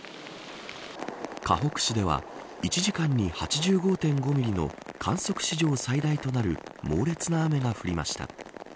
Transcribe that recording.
かほく市では１時間に８５．５ミリの観測史上最大となる猛烈な雨が降りました。